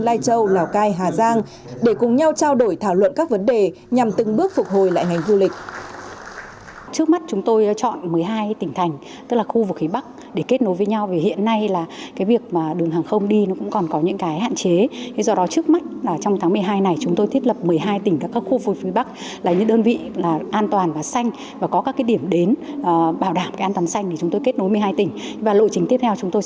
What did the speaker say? lào cai hà giang để cùng nhau trao đổi thảo luận các vấn đề nhằm từng bước phục hồi lại hành du lịch